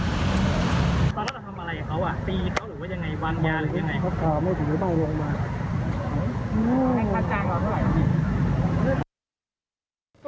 ในการจังหวังเท่าไหร่